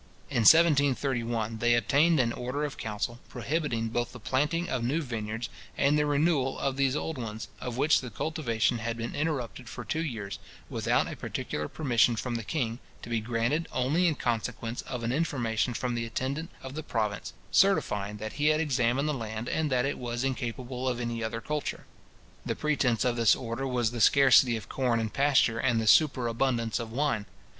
In 1731, they obtained an order of council, prohibiting both the planting of new vineyards, and the renewal of these old ones, of which the cultivation had been interrupted for two years, without a particular permission from the king, to be granted only in consequence of an information from the intendant of the province, certifying that he had examined the land, and that it was incapable of any other culture. The pretence of this order was the scarcity of corn and pasture, and the superabundance of wine.